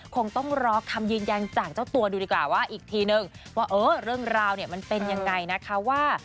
คงต้องรอคำยืนยันจากเจ้าตัวดูดีกว่าว่าอีกทีนึงว่าเออเรื่องราวเนี่ยมันเป็นยังไงนะคะว่า